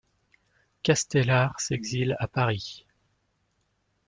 Castelar s'exile à Paris.